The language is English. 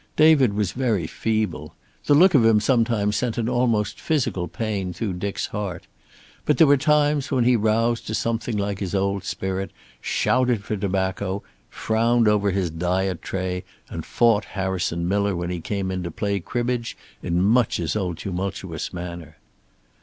David was very feeble. The look of him sometimes sent an almost physical pain through Dick's heart. But there were times when he roused to something like his old spirit, shouted for tobacco, frowned over his diet tray, and fought Harrison Miller when he came in to play cribbage in much his old tumultuous manner.